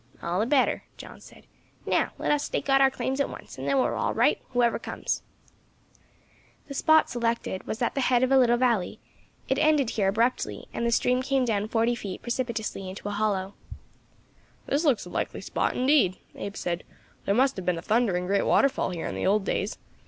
"All the better," John said. "Now let us stake out our claims at once, then we are all right, whoever comes." The spot selected was at the head of the little valley; it ended here abruptly, and the stream came down forty feet precipitously into a hollow. [Illustration: GOLD WASHING A GOOD DAY'S WORK.] "This looks a likely spot, indeed," Abe said; "there must have been a thundering great waterfall here in the old days.